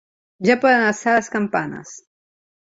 Ja poden alçar les campanes.